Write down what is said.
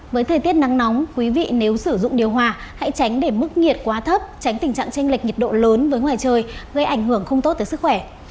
với thời tiết nắng nóng quý vị nếu sử dụng điều hòa hãy tránh để mức nhiệt quá thấp tránh tình trạng tranh lệch nhiệt độ lớn với ngoài trời gây ảnh hưởng không tốt tới sức khỏe